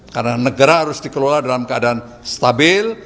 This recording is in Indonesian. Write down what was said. karena negara harus dikelola dalam keadaan stabil